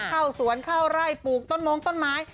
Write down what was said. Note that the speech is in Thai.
เข้าสวนเข้าไร่ปลูกต้นมงต้นไม้